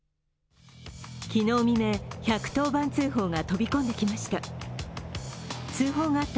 昨日未明１１０番通報が飛び込んできました。